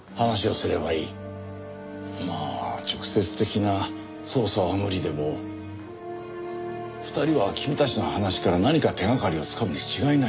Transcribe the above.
まあ直接的な捜査は無理でも２人は君たちの話から何か手掛かりをつかむに違いないんだ。